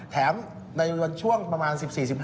แถมในวันช่วงประมาณ๑๔๑๕